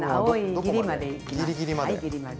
ギリギリまで？